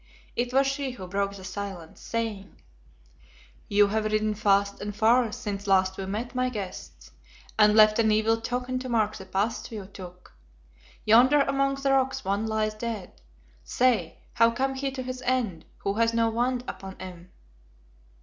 It was she who broke the silence, saying "You have ridden fast and far since last we met, my guests, and left an evil token to mark the path you took. Yonder among the rocks one lies dead. Say, how came he to his end, who has no wound upon him?"